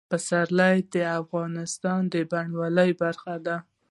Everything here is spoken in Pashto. پسرلی د افغانستان د بڼوالۍ برخه ده.